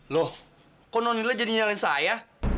loh kok nonila jadi nyalain saya